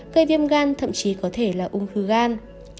gây viêm gan thậm chí có thể là ung hư gan